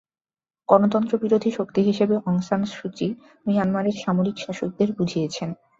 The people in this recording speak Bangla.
গণতন্ত্রবিরোধী শক্তি হিসেবে অং সান সু চি মিয়ানমারের সামরিক শাসকদের বুঝিয়েছেন।